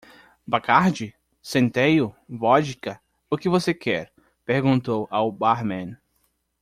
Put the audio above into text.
"Bacardi? centeio? vodka - o que você quer?"? perguntou ao barman.